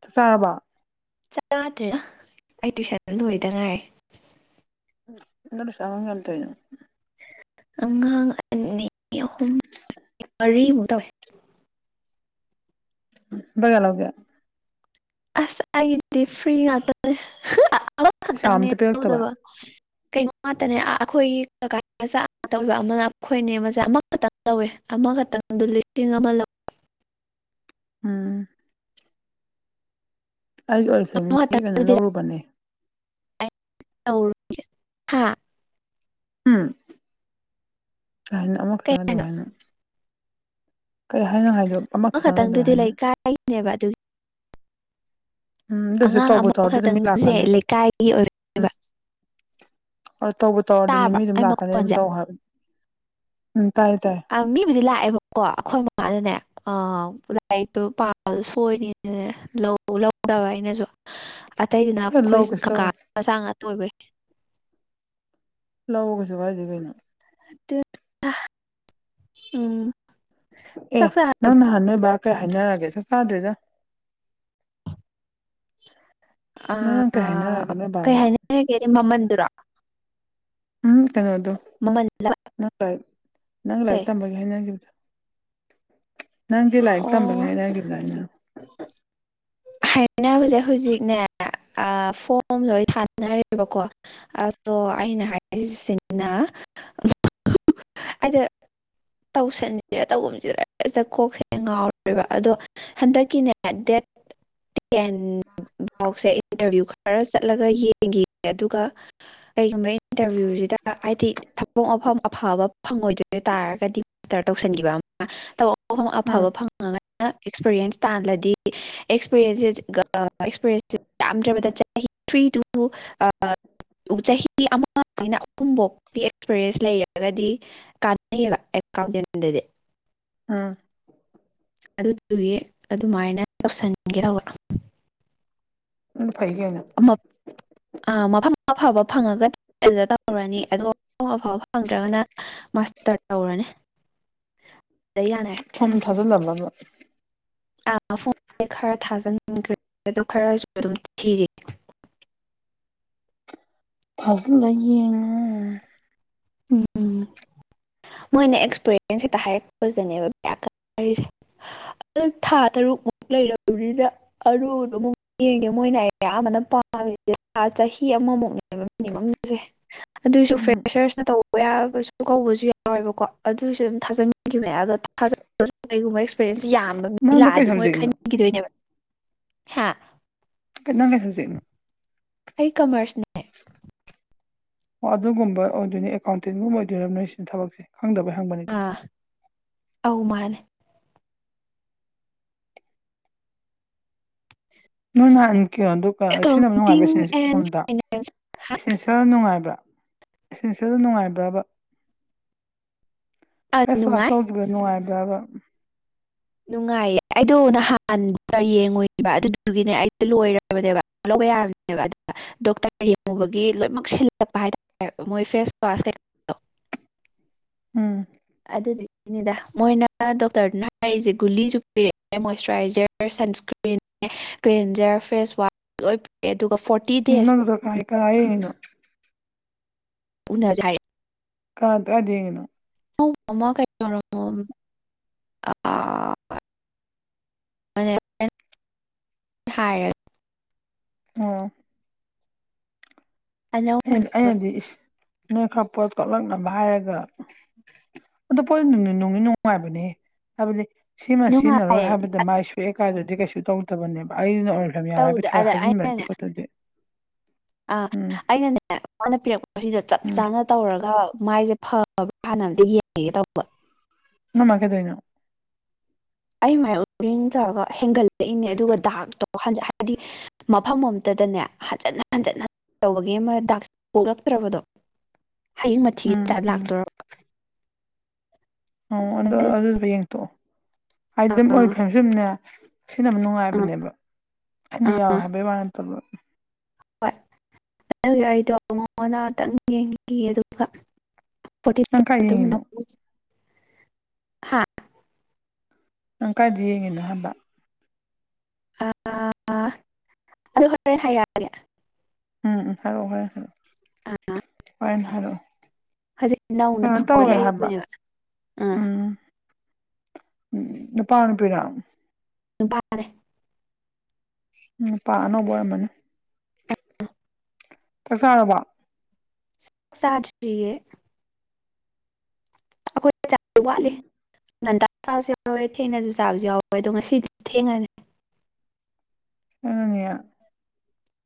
ꯆꯥꯛ ꯆꯥꯔꯕ ꯆ ꯑꯩ ꯇꯨꯏꯁꯟ ꯂꯣꯏꯗ ꯉꯥꯏꯔꯦ ꯑ ꯁꯃꯥꯡꯒꯇꯅ ꯑꯉꯥꯡ ꯑꯅꯤ ꯑꯍꯨꯝ ꯃꯔꯤꯃꯨꯛ ꯇꯧꯋꯦ ꯖ ꯂꯥꯎꯒ ꯑꯁ ꯍꯥꯏꯗꯦ ꯐ꯭ꯔꯔꯤ ꯉꯇ ꯄꯩꯁꯥ ꯑꯝꯇ ꯄꯤꯔꯛꯇꯕ ꯈꯛꯇꯪꯔꯨꯗꯕ ꯉꯥꯛꯇꯅꯦ ꯑꯩꯈꯣꯏꯒꯤ ꯀꯀꯥ ꯃꯆꯥ ꯑꯃ ꯇꯧꯕ ꯑꯃꯅ ꯑꯩꯈꯣꯏꯅꯦ ꯃꯆꯥ ꯑꯃꯈꯛꯇꯪ ꯇꯧꯋꯦ ꯑꯃꯈꯛꯇ ꯈꯤꯇꯪꯗꯨ ꯂꯤꯁꯤꯡ ꯑꯃ ꯂ [unintelligible] ꯎꯝ ꯑꯩꯁꯨ ꯑꯣꯏ ꯐꯦꯃꯤꯂꯤꯒꯤ ꯀꯩꯅꯣ ꯑꯃꯈꯛꯇꯪꯗꯨꯗꯤ ꯂꯧꯔꯨꯕꯅꯦ ꯍꯥ ꯎꯝ ꯀꯅ ꯀꯩ ꯑꯃꯈꯛꯇꯅ ꯑꯗꯨ ꯍꯥꯏꯅꯣ ꯍꯥꯏꯅ ꯀꯩ ꯍꯥꯏꯅ ꯍꯥꯏꯗꯣ ꯑꯃ ꯑꯃꯈꯛꯇꯪ ꯑꯗꯨ ꯈꯛꯇꯪꯗꯨꯗꯤ ꯍꯥꯏꯅꯣ ꯂꯩ ꯀꯥꯏꯅꯦꯕ ꯑꯗꯨꯒꯤ ꯎꯝ ꯗꯁꯦ ꯑꯉꯥꯡ ꯇꯧꯕ ꯇꯧ ꯑꯗꯨ ꯑꯗꯨ ꯃꯤ ꯑꯃꯈꯛꯇꯪꯁꯦ ꯂꯥꯛꯀꯅꯦ ꯂꯩꯀꯥꯏꯒꯤ ꯎꯝ ꯑꯣꯏꯕ ꯍ ꯇꯧꯕ ꯇꯧꯔ ꯑꯗꯨꯅꯤ ꯇꯥꯕ꯭ꯔꯥ ꯃꯤ ꯑꯗꯨꯝ ꯑꯩ ꯂꯥꯛꯀꯅꯤ ꯃꯈꯣꯟꯁꯦ ꯑꯗꯨꯝ ꯇꯧ ꯍꯥꯏꯕꯅꯤ ꯎꯝ ꯇꯥꯏꯌꯦ ꯇꯥꯏꯌꯦ ꯑ ꯃꯤꯕꯨꯗꯤ ꯂꯥꯛꯑꯦꯕꯀꯣ ꯑꯩꯈꯣꯏ ꯃꯃꯥꯗꯅꯦ ꯑ ꯂꯥꯏꯔꯤꯛꯇꯣ ꯄꯥꯜ ꯁꯣꯏꯅꯤꯅꯅꯦ ꯂꯧ ꯂꯧꯗꯕ ꯑꯩꯅꯁꯨ ꯑꯇꯩꯗꯨꯅ ꯑꯩꯈꯣꯏ ꯂꯧ ꯀꯩꯁꯨ ꯀꯀꯥ ꯇꯧꯔꯣꯏ ꯃꯆꯥ ꯉꯥꯛꯇꯣꯏꯕ ꯂꯥꯛꯎ ꯀꯩꯁꯨ ꯀꯥꯏꯗꯦ ꯀꯩꯩꯅꯣ ꯎꯝ ꯑꯦ ꯆꯥꯛ ꯆꯥ ꯅꯪ ꯍꯅꯕ ꯀꯩ ꯍꯥꯏꯟꯅꯔꯒꯦ ꯆ ꯆꯥꯗ꯭ꯔꯤꯗ ꯑ ꯅꯪ ꯅꯪ ꯀꯩ ꯍꯥꯏꯅꯔꯒꯦ ꯅꯣꯏ ꯀꯩ ꯕꯥꯒ ꯍꯥꯏꯅꯔꯒꯦꯗꯤ ꯃꯃꯟꯗꯨꯔꯣ ꯎꯝ ꯀꯩꯅꯣꯗꯣ ꯃꯃꯜ ꯅꯪ ꯂꯥꯏꯔꯤꯛ ꯅꯪ ꯂꯥꯏꯔꯤꯛ ꯇꯝꯕꯒꯤꯦ ꯍꯥꯏꯅꯈꯤꯕꯗꯣ ꯅꯪꯗꯤ ꯂꯥꯏꯔꯤꯛ ꯇꯝꯕꯒ ꯑꯣ ꯍꯥꯏꯔꯈꯤꯕ꯭ꯔꯥꯏꯅ ꯍꯥꯏꯕꯁꯦ ꯍꯧꯖꯤꯛꯅꯦ ꯐꯣꯝ ꯂꯣꯏ ꯊꯥꯅꯔꯦꯕꯀꯣ ꯑꯗꯣ ꯑꯩꯅ ꯍꯥꯏꯔꯤꯁꯤꯅ [unintelligible] ꯑꯗ ꯇꯧꯁꯟꯁꯤꯔ ꯇꯧꯒꯨꯝꯁꯤꯔ ꯁꯤꯗ ꯀꯣꯛꯁꯦ ꯉꯥꯎꯔꯦꯕ ꯑꯗꯣ ꯍꯟꯗꯛꯀꯤꯅꯦ ꯗꯦꯠ ꯦꯟ ꯥꯎꯁꯦ ꯏꯟꯇꯔꯚꯤꯌꯨ ꯈꯔ ꯆꯠꯂꯒ ꯌꯦꯡꯈꯤ ꯑꯗꯨꯒ ꯀꯩꯒꯨꯝꯕ ꯏꯟꯇꯔꯚꯤꯌꯨꯁꯤꯗ ꯍꯥꯏꯗꯤ ꯊꯕꯛ ꯃꯐꯝ ꯑꯐꯕ ꯐꯪꯉꯣꯏꯗꯣꯏ ꯇꯥꯔꯒꯗꯤ ꯇꯔ ꯇꯧꯁꯤꯟꯈꯤꯕ ꯑꯃ ꯎꯝ ꯑꯐꯕ ꯐꯪꯉꯒ ꯑꯦꯛꯁꯄꯔꯤꯌꯦꯟꯁ ꯇꯥꯜꯂꯗꯤ ꯑꯦꯛꯁꯄꯔꯤꯁ ꯑꯦꯛꯁꯄꯔꯤꯟꯁ ꯌꯥꯝ ꯆ ꯊ꯭ꯔꯤ ꯇꯨ ꯆꯍꯤ ꯑꯃꯅ ꯑꯍꯨꯝꯐꯥꯎꯀꯤ ꯑꯦꯛꯁꯄꯔꯤꯟꯁ ꯂꯩꯔꯒꯗꯤ ꯀꯥꯟꯅꯩꯑꯕ ꯀꯥꯎꯗꯗ ꯑꯝ ꯑꯗꯨꯗꯨꯒꯤ ꯑꯗꯨꯃꯥꯏꯅ ꯇꯧꯁꯟꯒꯦ ꯇꯧꯕ ꯑꯗꯨ ꯐꯩ ꯀꯩꯅꯣ ꯑꯥ ꯃꯐꯝ ꯃ ꯐꯕ ꯐꯪꯉꯒꯅꯤ ꯑꯗꯨꯗ ꯇꯧꯔꯔꯅꯤ ꯑꯗꯣ ꯑꯐꯥꯎꯕ ꯐꯪꯗ꯭ꯔꯒꯅ ꯇ ꯇꯔꯅꯦ ꯐꯝ ꯊꯖ ꯂꯝꯕ ꯑ ꯐꯣꯟ ꯈꯔ ꯊꯥꯖꯅ ꯈ꯭ꯔꯦ ꯑꯗꯨ ꯈꯔꯁꯨ ꯑꯗꯨꯝ ꯊꯤꯔꯤ ꯐꯖꯂ ꯌꯦꯡꯉꯨ ꯎꯝ ꯃꯣꯏꯅ ꯑꯦꯛꯁꯄꯔꯤꯌꯦꯟꯁ ꯍꯦꯛꯇ ꯍꯥꯏꯔꯛꯄꯗꯅꯦꯕ ꯕꯁꯦ ꯊꯥ ꯇꯔꯨꯛ ꯑꯃꯨꯛ ꯂꯩꯔꯨꯔꯤꯗ ꯑꯔꯨꯗꯨꯣ ꯑꯃꯨꯛ ꯌꯦꯡꯒꯦ ꯃꯣꯏꯅ ꯑ ꯑꯌꯥꯝꯕꯅ ꯄꯥꯝꯃꯤꯁꯦ ꯆꯍꯤ ꯐꯤ ꯑꯃꯃꯨꯛꯅꯦꯕ ꯃꯤꯅꯤꯝꯁꯦ ꯑꯗꯨꯏꯁꯨ ꯎꯝ ꯐ꯭ꯔꯦꯁꯔꯁꯅ ꯇꯧꯕ ꯌꯥꯕꯁꯨ ꯀꯧꯕꯁꯨ ꯌꯥꯏ ꯌꯥꯎꯋꯦꯕꯀꯣ ꯑꯗꯨꯁꯨ ꯑꯗꯨꯝ ꯊꯥꯖꯤꯟꯈꯤꯕꯅꯦ ꯑꯗꯣ ꯊꯥꯖꯕꯁꯨ ꯀꯒꯨꯝꯕ ꯑꯦꯛꯁꯄꯤꯔꯦꯟꯁ ꯌꯥꯝ ꯅꯪꯗꯣ ꯀꯩ ꯂꯥꯛꯑꯗꯤ ꯃꯣꯏ ꯁꯕꯖꯦꯛꯅꯣ ꯈꯈꯤꯗꯣꯏꯅꯦꯕ ꯀꯅꯥ ꯀꯦꯁꯖꯩꯅ ꯑꯩ ꯀꯃꯔꯁꯅꯦ ꯑꯣ ꯑꯗꯨꯒꯨꯝꯕ ꯑꯣꯏꯗꯣꯏꯅꯤ ꯑꯦꯀꯥꯎꯟꯇꯦꯟꯒꯨꯝꯕ ꯑꯣꯏꯗꯣꯏꯕ ꯅꯣꯏ ꯁꯤꯅ ꯊꯕꯛꯁꯦ ꯈꯪꯗꯕꯩ ꯍꯪꯕꯅꯤꯀꯣ ꯑꯥ ꯑꯧ ꯃꯥꯅꯦ ꯅꯣꯏ ꯅꯍꯟ ꯀꯣ ꯑꯗꯨꯒ ꯁꯤꯖꯤꯟꯅꯕ ꯑꯦꯀꯥꯎꯟꯇꯤꯡ ꯑꯦꯟ ꯅꯨꯡꯉꯥꯏꯕ꯭ꯔꯗ ꯐꯥꯏꯅꯥꯟꯁ ꯏꯁꯤꯔ ꯅꯨꯡꯉꯥꯏꯕ꯭ꯔꯥ ꯏꯁꯤꯡꯁꯦ ꯑꯗꯨꯝ ꯅꯨꯡꯉꯥꯏꯕ꯭ꯔꯥꯕ ꯑꯥ ꯐꯦꯁ ꯋꯥꯁ ꯅꯨꯡꯉꯥꯏ ꯂꯧꯗꯒ ꯑꯗ ꯑ ꯅꯨꯡꯉꯥꯏꯌꯦ ꯑꯩꯗꯣ ꯅꯍꯥꯟꯗ ꯌꯦꯡꯉꯨꯏꯕ ꯑꯗꯨꯗꯨꯒꯤꯅꯦ ꯑꯩꯗ ꯂꯣꯏꯔꯕꯅꯦꯕ ꯌꯥꯅꯦꯕ ꯑꯗꯨꯗ ꯗꯣꯛꯇꯔ ꯌꯦꯡꯉꯨꯕꯒꯤ ꯂꯣꯏꯅꯃꯛ ꯁꯤꯜꯂꯛꯄ ꯍꯥꯏꯇꯥꯔꯦ ꯃꯣꯏ ꯐꯦꯁ ꯋꯥꯁ ꯀꯩꯀꯥ ꯎꯝ ꯑꯗꯨꯗꯨꯒꯤꯅꯤꯗ ꯃꯣꯏꯅ ꯗꯣꯛꯇꯔꯗꯨꯅ ꯍꯥꯏꯔꯤꯛꯏꯁꯦ ꯒꯨꯂꯤꯁꯨ ꯄꯤꯔꯛꯑꯦ ꯃꯣꯏꯆꯔꯥꯏꯖꯔ ꯁꯟꯁꯀ꯭ꯔꯤꯟ ꯄꯦꯟꯖꯔ ꯐꯦꯁ ꯋꯥꯁ ꯂ ꯄꯛꯑꯦ ꯑꯗꯨꯒ ꯐꯣꯔꯇꯤ ꯗꯦꯖ ꯀꯥꯏꯡ ꯄꯨꯅꯖꯥꯏ ꯑ ꯑꯗꯨꯗꯅ ꯃꯃ ꯀꯩꯔꯣ ꯍꯥꯏ ꯑ ꯑꯅꯧ [unintelligible] ꯇꯣꯂꯛꯅꯕ ꯍꯥꯏꯔꯒ ꯑꯗꯣ ꯄꯣꯅꯨꯡ ꯅꯨꯡꯅꯤ ꯅꯨꯡꯉꯥꯏꯕꯅꯦ ꯍꯥꯏꯕꯗꯤ ꯁꯤꯃ ꯁꯤꯖꯤꯟꯅꯔꯣꯏ ꯅꯨꯡꯉꯥꯏꯌꯦ ꯍꯥꯏꯕꯗ ꯃꯥꯏ ꯁꯣꯛꯑꯦꯀꯥꯏꯗꯗꯤ ꯀꯩꯁꯨ ꯇꯧꯗꯕꯅꯦꯕ ꯑꯩꯅ ꯇꯧꯗꯦ ꯍꯥꯏꯕ ꯍꯥꯏꯖꯤꯟꯕꯗꯤ ꯈꯣꯠꯇꯗꯤ ꯑꯥ ꯑꯩꯅꯅꯦ ꯃꯥꯅ ꯄꯤꯔꯛꯄꯁꯤꯗꯣ ꯆꯞ ꯎꯝ ꯆꯥꯅ ꯇꯧꯔꯒ ꯃꯥꯏꯁꯦ ꯐꯕ꯭ꯔꯥ ꯁꯥꯟꯅꯕꯗ ꯌꯦꯡꯉꯒꯦ ꯇꯧꯕ [unintelligible] ꯑꯩꯃꯥꯏꯅ ꯎꯔꯤꯡ ꯇꯧꯔꯒ ꯍꯦꯟꯒꯠꯂꯛꯏꯅꯦ ꯑꯗꯨꯒ ꯗꯥꯛꯛꯇꯣ ꯍꯥꯏꯗꯤ ꯃꯐꯝ ꯑꯇ ꯑꯗꯨꯗꯅꯦ ꯍꯟꯖꯟꯅ ꯍꯟꯖꯟꯅ ꯇꯧꯕꯒꯤ ꯑꯃ ꯗꯥꯛ ꯄꯂꯛꯇ꯭ꯔꯕꯗꯣ [unintelligible] ꯍꯌꯦꯡ ꯃꯊꯤꯁꯤꯗ ꯎꯝ ꯎꯝ ꯂꯥꯛꯇꯣꯏꯔꯕ ꯑꯣ ꯑꯗꯨ ꯑꯗꯨꯁꯨ ꯌꯦꯡꯊꯣꯛꯑꯣ ꯍꯥꯏ ꯑꯗꯨꯝ ꯑꯣꯏ ꯑꯥ ꯐ ꯁꯨꯝꯅꯦ ꯁꯤꯅ ꯑꯃ ꯑꯥ ꯅꯨꯡꯉꯥꯏꯕꯅꯦꯕ ꯑꯩꯅ ꯌꯥꯎꯋꯦ ꯑꯥ ꯍꯥꯏꯕꯩ ꯋꯥꯥꯏꯅ ꯇꯧꯕ ꯍꯣꯏ ꯑꯗꯨ ꯌꯥꯗꯣ ꯅꯉꯗꯍꯇꯪ ꯌꯦꯡꯈꯤ ꯑꯗꯨꯒ ꯅꯪ ꯀꯥꯏ ꯌꯦꯡꯉꯤꯅꯣ ꯍꯥ ꯅꯪ ꯀꯥꯏꯗ ꯌꯦꯡꯉꯦꯅ ꯍꯕ ꯑ ꯑꯗꯨ ꯍꯣꯔꯣꯔꯦꯟꯦꯟ ꯍꯥꯏꯔꯛꯑꯒꯦ ꯎꯝ ꯐ ꯍꯔꯦ ꯍꯥꯏꯣ ꯑꯥ ꯑꯣꯏꯔꯦꯅ ꯍꯥꯏꯔꯣ ꯍꯧꯖꯤꯛ ꯅꯧꯅ ꯀꯩꯅꯣ ꯇꯧꯋꯦ ꯍꯥꯏꯕ ꯐꯥꯎꯒꯠꯂꯛꯏꯕꯅꯦꯕ ꯑꯥ ꯎꯝ ꯎꯝ ꯅꯨꯄꯥ ꯅꯨꯄꯤꯅ ꯅꯨꯄꯥꯔꯦ ꯅꯨꯄꯥ ꯑꯣꯏꯔꯃꯅꯤ ꯑꯥ ꯆꯛꯁꯥꯕ ꯁꯥꯔꯤꯌꯦ ꯑꯩꯈꯣꯏ ꯆ ꯆꯁꯨ ꯋꯥꯠꯂꯤ ꯅꯟꯇꯥ ꯆꯥꯁꯨ ꯌꯥꯎꯋꯦ ꯊꯦꯡꯅꯁꯨ ꯆꯥꯕꯁꯨ ꯌꯥꯎꯋꯦ ꯑꯗꯣ ꯉꯁꯤꯗꯤ ꯊꯦꯡꯉꯅꯤ ꯑꯉꯅꯌꯥ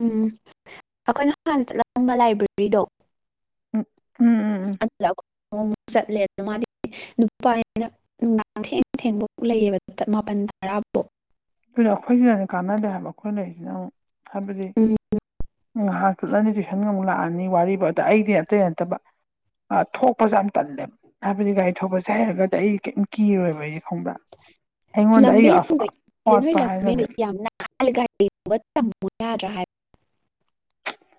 ꯎꯝ ꯑꯩꯈꯣꯏꯅ ꯍꯥꯟꯅ ꯆꯠꯂꯝꯂꯝꯕ ꯂꯥꯏꯕ꯭ꯔꯦꯔꯤꯗꯣ ꯎꯝ ꯎꯝ ꯎꯝ ꯎꯝ ꯆꯠꯂꯦꯗ ꯃꯥꯗꯤ ꯅꯨꯄꯥꯅ ꯅꯨꯡꯗꯥꯡ ꯊꯦꯡ ꯊꯦꯡꯕꯥꯎ ꯂꯩꯌꯦꯕ ꯄꯟꯗꯔꯥꯕꯨꯣ ꯑꯗꯨꯅ ꯑꯩꯈꯣꯏꯁꯤꯗꯗꯤ ꯀꯥꯟꯅꯗꯦ ꯍꯥꯏꯕ ꯑꯩꯈꯣꯏ ꯂꯩꯔꯤꯁꯤꯅ ꯑꯃꯨꯛ ꯍꯥꯏꯕꯗꯤ ꯎꯝ ꯉꯥꯏꯍꯥꯛꯇꯠꯂꯅꯤꯗꯤ ꯈꯟ ꯉ ꯑꯃꯨꯛ ꯂꯥꯛ ꯑꯅꯤ ꯋꯥꯔꯤꯕ ꯑꯗ ꯑꯩꯗꯤ ꯑꯇꯩ ꯅꯠꯇꯕ ꯊꯣꯛꯄꯁꯦ ꯌꯥꯝ ꯇꯜꯂꯦꯕ ꯍꯥꯏꯕꯗꯤ ꯒꯥꯔꯤ ꯊꯄꯁꯦ ꯍꯩꯔꯒꯗꯤ ꯑꯩ ꯀꯔꯤꯝ ꯀꯤꯔꯣꯏꯕ ꯑꯩꯗꯤ ꯈꯪꯕ꯭ꯔꯥ ꯑꯩꯉꯣꯟꯗ ꯑꯩꯒꯤ [unintelligible] ꯍꯥꯏꯔꯒꯗꯤ ꯂꯝꯃꯦ ꯌꯥꯝꯒꯥ ꯗ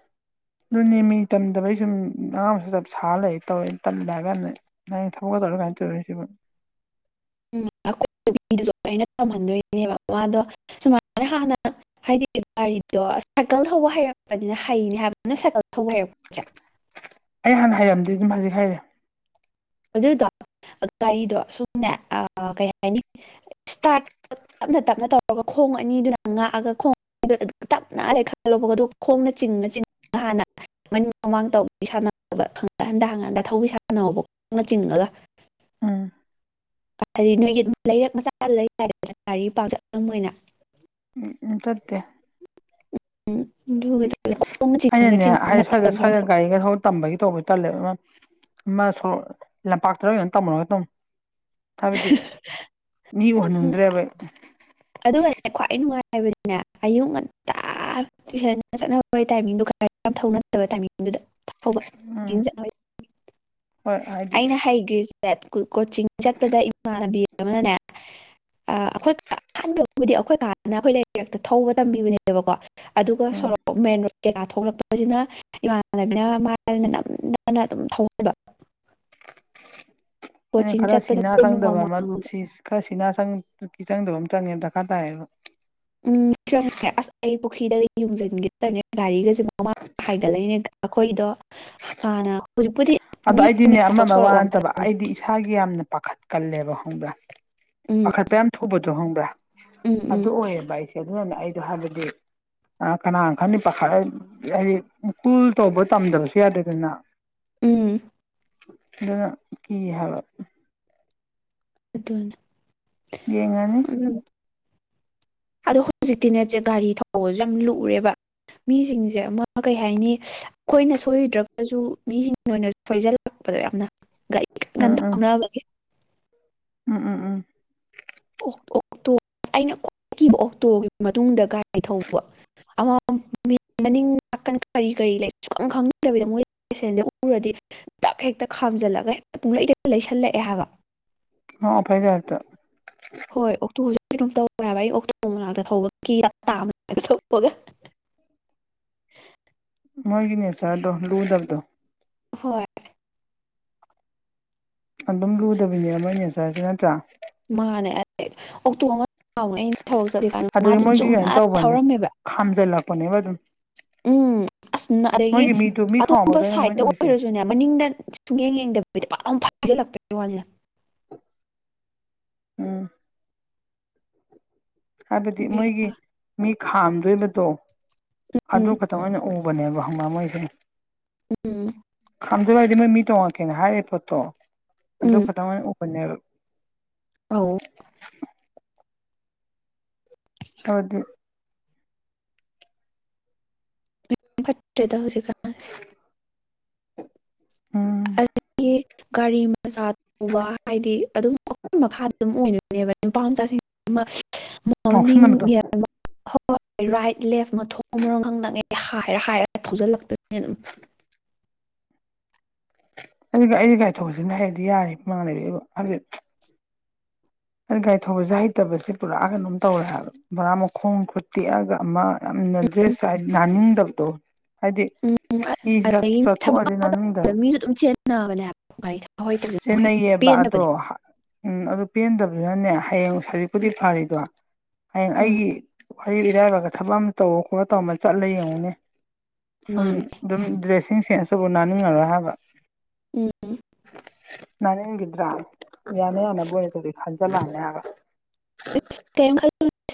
ꯑꯗꯨꯅꯦꯃꯤ ꯇꯝꯗꯕꯒꯤ ꯁꯨꯝ ꯑꯉꯥꯡꯁꯨ ꯆꯞ ꯁꯥꯔ ꯂꯩ ꯇꯧꯋꯦ ꯇꯜꯂꯦ ꯍꯥꯏ ꯀꯥꯟꯗ ꯅꯪ ꯊꯕꯛ ꯀꯇ ꯑꯣꯏꯁꯤꯕ ꯎꯝꯅ ꯇꯝꯍꯟꯗꯣꯏꯅꯦꯕ ꯃꯥꯗꯣ ꯁꯨꯃꯥꯏꯅ ꯍꯥꯟꯅ ꯍꯥꯏꯗꯤ ꯒꯥꯔꯤꯗꯣ ꯁꯥꯏꯀꯜ ꯊꯧꯕ ꯍꯩꯔꯛꯄꯅꯤꯅ ꯍꯩꯅꯦ ꯍꯥꯏꯕ ꯅ ꯁꯥꯏꯀꯜ ꯊꯧꯕ ꯍꯩꯔꯛꯄꯁꯦ ꯑꯩ ꯍꯥꯟꯅ ꯍꯥꯏꯔꯝꯗꯤ ꯑꯗꯨꯝ ꯍꯧꯖꯤꯛ ꯍꯥꯏꯔꯦ ꯑꯗꯨꯗ ꯒꯥꯔꯤꯗꯣ ꯁꯨꯝꯅꯦ ꯀꯩ ꯍꯥꯏꯅꯤ ꯏꯁꯇꯥꯔꯠ ꯇꯞꯅ ꯇꯞꯅ ꯇꯧꯔꯒ ꯈꯣꯡ ꯄꯨꯡ ꯑꯅꯤꯗꯨꯅ ꯉꯥꯛꯑꯒ ꯈꯣꯡ ꯇꯞ ꯅꯥꯜꯔꯦ ꯈꯜꯂꯧꯕꯒꯗ ꯈꯣꯡꯅ ꯆꯤꯡꯅ ꯆꯤꯡ ꯍꯥꯟꯅ ꯃꯃꯥꯡ ꯇꯅ ꯍꯟꯗ ꯍꯅ ꯍꯟꯗ ꯊꯧꯕꯤ ꯁꯥꯅꯧꯕ ꯈꯪꯅ ꯆꯤꯡꯉꯒ ꯎꯝ ꯍꯥꯏꯗꯤ ꯅꯣꯏꯒꯤꯝ ꯂꯩꯔꯛ ꯃꯆꯥ ꯂꯩꯗꯅ ꯒꯥꯔꯤ ꯄꯥꯝꯆꯠꯂꯝ ꯑꯣꯏꯅ ꯎ ꯇꯔꯇ ꯎꯝ ꯑꯗꯨꯒꯤꯗꯨꯗ ꯈꯣꯡꯅ ꯆꯤꯡꯉ ꯑꯩꯅꯅꯦ ꯆꯤꯡꯉꯒ ꯍꯥꯏ ꯁ꯭ꯋꯥꯏꯗ ꯃꯇꯝ ꯈꯔ ꯁ꯭ꯋꯥꯏꯗ ꯁꯣꯛ ꯒꯥꯔꯤꯒ ꯊꯧ ꯇꯝꯕꯒꯤ ꯇꯧꯕ ꯇꯜꯂꯦꯕ ꯁ ꯂꯝꯄꯥꯛꯇ ꯀꯩꯅꯣ ꯇꯝꯃꯅꯣ ꯈꯤꯇꯪ ꯍꯥꯏꯕꯗꯤ ꯃꯤ ꯎꯍꯟꯅꯤꯡꯗ꯭ꯔꯦꯕ ꯍꯥꯏꯕꯗꯤꯅꯦ ꯑꯌꯨꯛ ꯉꯟꯇꯥ ꯇꯨꯏꯁꯟ ꯆꯠꯅꯕꯒꯤ ꯇꯥꯏꯃꯤꯡꯗꯨ ꯌꯥꯝꯅꯠꯇꯕ ꯎꯝ ꯇꯥꯏꯡ ꯗ ꯍꯣꯏ ꯍꯥꯏꯗꯤ ꯑꯩꯅ ꯍꯥꯏꯒ꯭ꯔꯦꯖꯨꯦꯠ ꯀꯣꯆꯤꯡ ꯗ ꯏꯃꯥꯟꯅꯕꯤ ꯑꯃꯅꯅꯦ ꯑ ꯑꯩꯈꯣꯏ ꯑꯍꯥꯟꯕꯕꯨꯗꯤ ꯑꯩꯈꯣꯏ ꯀꯥꯟꯅ ꯑꯩꯈꯣꯏ ꯂꯩꯔꯛꯇ ꯊꯧꯕ ꯇꯝꯕꯤꯕꯅꯦꯕꯀꯣ ꯑꯗꯨꯒ ꯎꯝ ꯁꯣꯛ ꯃꯦꯟ ꯔ ꯀꯌꯥ ꯊꯣꯛꯂꯛꯄꯁꯤꯅ ꯏꯃꯥꯟꯅꯕꯤꯅ ꯃꯥꯅ ꯅꯝꯊꯅ ꯑꯗꯨꯝ ꯊꯧꯍꯟꯕ [unintelligible] ꯑꯩꯅ ꯀꯣꯆꯤꯡ ꯈꯔ ꯆꯠꯄꯗ ꯁꯤꯅꯥ ꯅꯣꯡꯃ ꯆꯪꯗꯕ ꯃꯥꯡꯂꯣꯝꯗ ꯈꯔ ꯁꯤꯅꯥ ꯆꯪꯒꯤ ꯆꯪꯗꯕ ꯑꯃ ꯆꯪꯉꯦ ꯗꯔꯀꯥꯔ ꯇꯥꯏꯌꯦꯕ ꯎꯝ ꯆꯨꯝꯉ ꯑꯁ ꯑꯩ ꯄꯨꯈ꯭ꯔꯤꯗ ꯌꯨꯡꯁꯤꯟꯒꯗꯕꯅꯦ ꯒꯥꯔꯤꯒ ꯃꯃꯥ ꯍꯥꯏꯒꯠꯂꯛꯏꯅꯦ ꯑꯩꯈꯣꯏꯗꯣ ꯍꯥꯟꯅ ꯍꯧꯖꯤꯛꯄꯨꯗꯤ ꯑꯗꯣ ꯑꯩꯗꯤꯅꯦ ꯑꯃ ꯅꯦꯝꯃꯦꯕꯀꯣ ꯑꯃ ꯋꯥ ꯁꯣꯔꯣꯛ ꯅꯠꯇꯕ ꯋꯥꯡꯈꯠꯂꯛꯄꯅꯦ ꯑꯩꯗꯤ ꯏꯁꯥꯒꯤ ꯌꯥꯝꯅ ꯄꯥꯈꯠꯀꯜꯂꯦꯕ ꯈꯪꯕ꯭ꯔꯥ ꯎꯝ ꯄꯥꯈꯠꯄ ꯌꯥꯝ ꯊꯨꯕꯗꯣ ꯈꯪꯕ꯭ꯔꯥ ꯎꯝ ꯎꯝ ꯑꯗꯨ ꯑꯣꯏꯌꯦꯕ ꯑꯩꯁꯦ ꯑꯗꯨꯅꯅꯦ ꯑꯩꯗꯣ ꯍꯥꯏꯕꯗꯤ ꯀꯅꯥꯒꯝ ꯈꯅꯤ ꯄꯥꯈ ꯍꯥꯏꯗꯤ ꯀꯨꯜ ꯇꯧꯕ ꯇꯝꯗꯕꯁꯨ ꯌꯥꯗꯦꯗꯅ ꯎꯝ ꯑꯗꯨꯅ ꯀꯤ ꯍꯥꯏꯕ ꯗꯣꯟ [unintelligible] ꯑꯗꯣ ꯍꯧꯖꯤꯛꯇꯤꯅꯦꯠꯁꯦ ꯒꯥꯔꯤ ꯊꯧꯕꯁꯨ ꯌꯥꯝ ꯂꯔꯦꯕ ꯃꯤꯁꯤꯡꯁꯦ ꯑꯃ ꯀꯩ ꯍꯥꯏꯅꯤ ꯑꯩꯈꯣꯏꯅ ꯁꯣꯏꯗ꯭ꯔꯒꯁꯨ ꯃꯤꯁꯤꯡ ꯑꯣꯏꯅ ꯁꯣꯏꯖꯜꯂꯛꯄꯗꯣ ꯌꯥꯝꯅ [unintelligible] ꯀ ꯎꯝ ꯇꯧꯅꯕꯒꯦ ꯎꯝ ꯎꯝ ꯎꯝ ꯑꯣ ꯇꯣ ꯑꯁ ꯑꯩꯅ ꯈꯈꯤꯕ ꯑꯣꯛꯇꯣꯒꯤ ꯃꯇꯨꯡꯗ ꯒꯥꯔꯤ ꯊꯧꯕ ꯑꯃ ꯃ ꯅꯥꯀ ꯀꯔꯤ ꯀꯔꯤ ꯂꯩ ꯁꯨꯪ ꯈꯪꯗꯕꯤꯗ ꯃꯣꯏ ꯄꯦꯁꯦꯟꯗ ꯎꯔꯗꯤ ꯗꯞ ꯍꯦꯛꯇ ꯈꯥꯝꯖꯜꯂꯒ ꯍꯦꯛꯇ ꯄꯨꯡꯂꯩꯗ ꯂꯩꯁꯜꯂꯛꯑꯦ ꯍꯥꯏꯕ ꯍꯥꯎ ꯐꯩꯗꯦ ꯍꯥꯏꯔꯠꯇ ꯍꯣꯏ ꯑꯣꯛꯇꯣ ꯍ ꯇꯧꯕ ꯍꯥꯏꯕ ꯑꯩ ꯑꯣꯛꯇꯣꯕꯔ ꯃꯅꯥꯛꯇ ꯊꯧꯕꯄꯒ ꯃꯥꯒꯤꯅꯦ ꯆꯗꯣ ꯂꯨꯗꯕꯗꯣ ꯍꯣꯏ ꯑꯗꯨꯝ ꯂꯨꯗꯕꯅꯤ ꯑꯃꯅꯤꯅꯦ ꯁꯥꯔꯁꯨ ꯅꯠꯇ꯭ꯔꯥ ꯃꯥꯅꯦ ꯑ ꯑꯣꯛꯇꯣ [unintelligible] ꯊꯕꯛ ꯆꯠꯂꯤꯀꯥꯟꯗ ꯑꯗꯒꯤ ꯃꯥꯗꯣ ꯆꯨꯝꯅ ꯊꯧꯔꯝꯃꯦꯕ ꯄꯅꯦꯕ ꯑꯗꯨꯝ ꯎꯝ ꯑꯁꯅꯔꯗꯒꯤ ꯃꯣꯏꯒꯤ ꯃꯤꯗꯨ ꯃꯤ ꯑꯇꯣꯞꯄ ꯈꯥꯝꯃꯝꯕꯗꯣꯅꯦ ꯃꯣꯏꯅ ꯁꯥꯏꯗꯇ ꯎꯔꯤꯁꯦ ꯑꯣꯏꯔꯁꯨꯅꯦ ꯃꯅꯤꯡꯗ ꯁꯨꯡꯌꯦꯡ ꯌꯦꯡꯗꯕꯤ ꯐꯥꯖꯤꯜꯂꯛꯄ ꯋꯥꯅꯤ ꯑꯥ ꯍꯥꯏꯕꯗꯤ ꯕꯦꯔꯥ ꯃꯣꯏꯒꯤ ꯃꯤ ꯈꯥꯝꯗꯣꯏꯕꯗꯣ ꯑꯗꯨ ꯎꯝ ꯈꯇꯪ ꯑꯣꯏꯅ ꯎ ꯕꯅꯤꯕ ꯍꯪꯅ ꯃꯥꯏꯈꯅꯤ ꯎꯝ ꯈꯥꯝꯖꯕꯗꯤ ꯃꯣꯏ ꯃꯤ ꯇꯣꯡꯉꯛꯀꯦꯅ ꯍꯥꯏꯔꯦ ꯄꯣꯠꯇꯣ ꯑꯗꯨ ꯈꯇꯪ ꯑꯣꯏꯅ ꯎꯕꯅꯦꯕ ꯑ [unintelligible] [inaudible] ꯍꯗ ꯐꯠꯇꯦꯗ ꯍꯧꯖꯤ [unintelligible] [inaudible] ꯎꯝ ꯑꯗꯒꯤ ꯒꯥꯔꯤ ꯃꯆꯥ ꯇꯧꯕ ꯍꯥꯏꯗꯤ ꯑꯗꯨꯝ ꯃꯈꯥꯗ ꯑꯗꯨꯝ ꯑꯣꯏꯣꯏꯅꯦꯕ ꯅꯨꯄꯥ ꯃꯆꯥꯁꯤꯡꯅꯤꯡ ꯉꯥꯎꯁꯟꯅꯕꯗꯣ ꯍꯣꯏ ꯔꯥꯏꯠ ꯂꯦꯐ ꯃꯊꯣꯡ ꯑꯃꯣ ꯉꯪꯅꯛꯉꯦ ꯍꯥꯏꯔ ꯍꯥꯏꯔꯒ ꯊꯧꯖꯤꯜꯂꯛꯇꯣꯏꯅꯤꯅ ꯑꯗꯨꯒ ꯑꯩꯗꯤ ꯒꯥꯥꯏ ꯊꯧꯕꯁꯤꯅ ꯍꯥꯏꯗꯤ ꯌꯥꯔꯤ ꯃꯥꯟꯅꯔꯕ ꯍꯥꯏꯐꯦꯠ ꯑ ꯒꯥꯔꯤ ꯊꯧꯕꯁꯦ ꯍꯩꯇꯕꯁꯦ ꯄꯨꯔꯛꯑꯒ ꯑꯗꯨꯝ ꯇꯧꯔꯦꯕ ꯕꯣꯔꯥ ꯃꯈꯣꯡ ꯈꯨꯠ ꯇꯦꯛꯑꯒ ꯑꯃ ꯌꯥꯝꯅ ꯗ꯭ꯔꯦꯁ ꯍꯥꯏ ꯅꯥꯅꯤꯡꯗꯕꯗꯣ ꯍꯥꯏꯗꯤ ꯎꯝ ꯏ ꯑꯗꯒꯤ ꯊꯕꯛ ꯆꯠꯊꯣꯛꯑꯗꯤ ꯑꯃ ꯇꯧꯕꯗ ꯅꯪꯅꯤꯡꯗꯅ ꯃꯤꯁꯨ ꯑꯗꯨꯝ ꯆꯦꯟꯅꯕꯅꯦ ꯍꯥꯏꯕ ꯒꯥꯔꯤ ꯊꯥꯎ ꯍꯩꯇꯕꯁꯦ ꯆꯦꯟꯅꯌꯦꯕꯗꯣ ꯄꯦꯟꯗꯕꯅꯦ ꯎꯝ ꯑꯗꯨ ꯄꯦꯟꯗꯕꯗꯨꯅꯅꯦ ꯍꯌꯦꯡ ꯍꯧꯖꯤꯛꯄꯨꯗꯤ ꯐꯔꯤꯗꯣ ꯍꯌꯦꯡ ꯎꯝ ꯑꯩꯒꯤ ꯑꯩꯌꯨ ꯏꯔꯥꯏꯕꯥꯛꯒ ꯊꯕꯛ ꯑꯃ ꯇꯧꯔ ꯈꯣꯠꯂ ꯇꯧꯔ ꯑꯃ ꯆꯠꯂ ꯌꯦꯡꯉꯨꯅꯦ ꯁꯨꯝ ꯃꯥꯅꯦ ꯑꯗꯨꯝ ꯗ꯭ꯔꯦꯁ ꯏꯁꯤꯡ ꯁꯦꯟ ꯑꯁꯤꯕꯨ ꯅꯥꯅꯤꯡꯉꯔ ꯍꯥꯏꯕ ꯎꯝ [inaudible] ꯔꯒꯤꯗ꯭ꯔꯥ ꯌꯥꯅꯤ ꯌꯥꯅꯕ ꯑꯗꯨꯗꯤ ꯈꯟꯖꯤꯜꯂꯛꯑꯅꯤ ꯍꯥꯏꯒ ꯈ [unintelligible] [inaudible] ꯥ [unintelligible]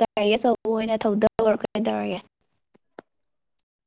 ꯒꯥꯔꯤ ꯑꯆꯧꯕ ꯑꯣꯏꯅ ꯊꯧꯗꯔ ꯀ ꯇꯧꯔꯒꯦ [unintelligible] [inaudible]